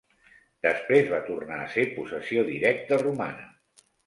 Després va tornar a ser possessió directa romana.